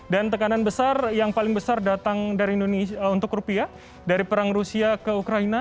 dan tekanan besar yang paling besar datang dari indonesia untuk rupiah dari perang rusia ke ukraina